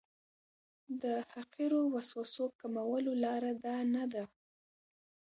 د حقیرو وسوسو کمولو لاره دا نه ده.